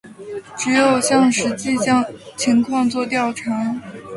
怎样纠正这种本本主义？只有向实际情况作调查。